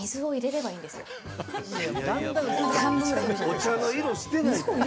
お茶の色してない！